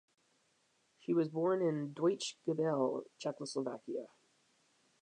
She was born in Deutsch Gabel, Czechoslovakia.